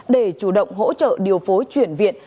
để chủ động hỗ trợ điều phối chuyển viện